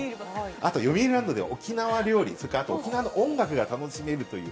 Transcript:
あとよみうりランドでは沖縄料理、あと沖縄の音楽が楽しめるという。